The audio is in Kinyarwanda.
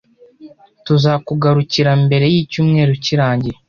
Tuzakugarukira mbere yicyumweru kirangiye.